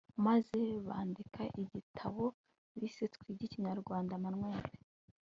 maze bandika igitabo bise twige ikinyarwanda, manuel